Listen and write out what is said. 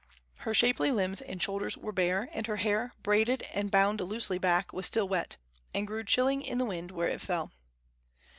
Her shapely limbs and shoulders were bare, and her hair, braided and bound loosely back, was still wet, and grew chilling in the wind where it fell.